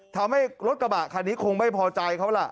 ทำให้รถกระบะคันนี้คงไม่พอใจเขาล่ะ